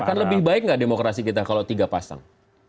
akan lebih baik nggak demokrasi kita kalau tiga pasang